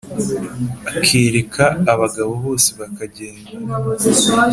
akereka abagabo bose bakagenda